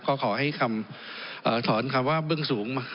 ก็ขอให้คำถอนคำว่าเบื้องสูง